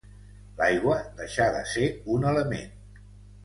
L'aigua deixà de ser un element.